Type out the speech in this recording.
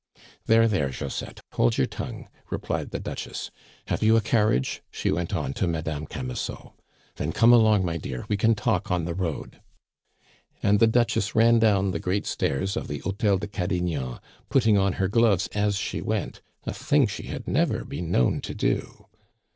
"There, there, Josette, hold your tongue," replied the Duchess. "Have you a carriage?" she went on, to Madame Camusot. "Then come along, my dear, we can talk on the road." And the Duchess ran down the great stairs of the Hotel de Cadignan, putting on her gloves as she went a thing she had never been known to do.